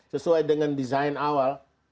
sesuai dengan desain awal